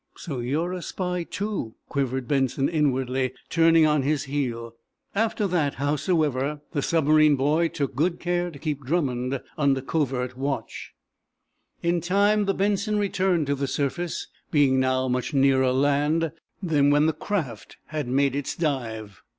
"So you're a spy, too?" quivered Benson, inwardly, turning on his heel. After that, howsoever, the submarine boy took good care to keep Drummond under covert watch. In time the "Benson" returned to the surface, being now much nearer land then when the aft had made its dive.